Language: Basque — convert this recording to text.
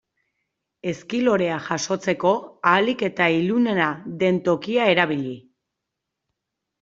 Ezki lorea jasotzeko ahalik eta ilunena den tokia erabili.